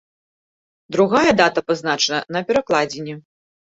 Другая дата пазначана на перакладзіне.